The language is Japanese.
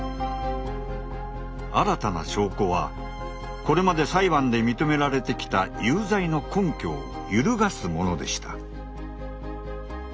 新たな証拠はこれまで裁判で認められてきた「有罪の根拠」を揺るがすものでした。